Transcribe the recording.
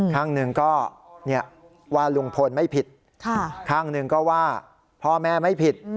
ข้างหนึ่งก็ว่าลุงพลไม่ผิดข้างหนึ่งก็ว่าพ่อแม่ไม่ผิด